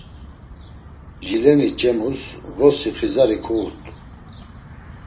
Jileni Ç̌emus vrosi xizari kuğurt̆u.